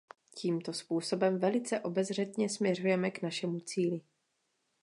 Tímto způsobem velice obezřetně směřujeme k našemu cíli.